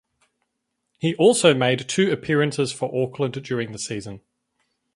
He also made two appearances for Auckland during the season.